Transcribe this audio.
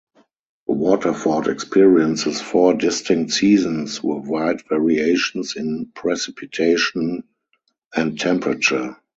Waterford experiences four distinct seasons, with wide variations in precipitation and temperature.